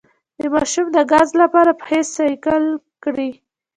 د ماشوم د ګاز لپاره پښې سایکل کړئ